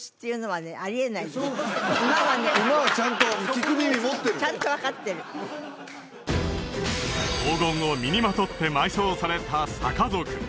助かった馬はちゃんと聞く耳持ってるとちゃんと分かってる黄金を身にまとって埋葬されたサカ族